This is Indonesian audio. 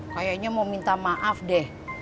kayaknya mau minta maaf deh